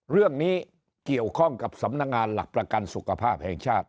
เรื่องนี้เกี่ยวข้องกับสำนักงานหลักประกันสุขภาพแห่งชาติ